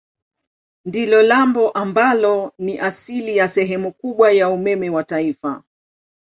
Ndilo lambo ambalo ni asili ya sehemu kubwa ya umeme wa taifa.